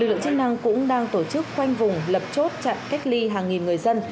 lực lượng chức năng cũng đang tổ chức khoanh vùng lập chốt chặn cách ly hàng nghìn người dân